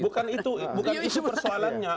bukan itu persoalannya